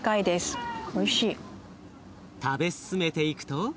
食べ進めていくと。